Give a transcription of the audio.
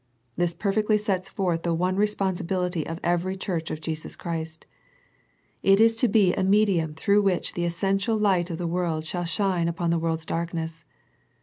This perfectly sets forth the one responsibility of every church of Jesus Christ. It is to be a medium through which the essen tial Light of the world shall shine upon the world's darkness.